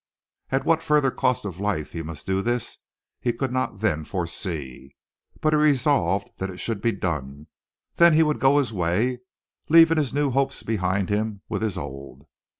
At what further cost of life he must do this, he could not then foresee, but he resolved that it should be done. Then he would go his way, leaving his new hopes behind him with his old.